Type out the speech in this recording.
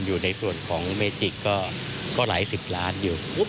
อยู่ในส่วนของเมจิกก็หลายสิบล้านอยู่